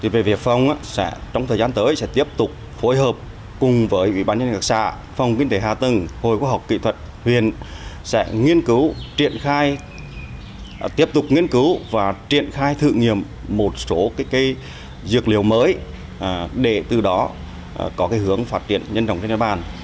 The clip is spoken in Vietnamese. về việc phong trong thời gian tới sẽ tiếp tục phối hợp cùng với ubnd hạc xã phòng kinh tế hà tưng hội quốc học kỹ thuật huyện sẽ tiếp tục nghiên cứu và triển khai thử nghiệm một số cây dược liều mới để từ đó có hướng phát triển nhân trọng trên đất bàn